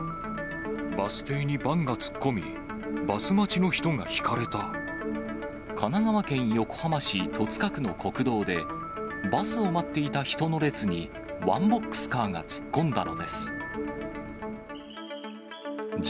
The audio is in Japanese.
バス停にバンが突っ込み、神奈川県横浜市戸塚区の国道で、バスを待っていた人の列にワンボックスカーが突っ込んだのです。